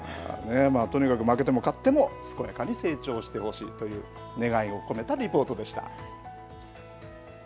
とにかく負けても、勝っても、健やかに育ってほしいという願いを込めたリポートでした。